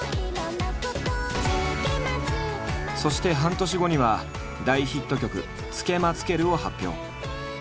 そして半年後には大ヒット曲「つけまつける」を発表。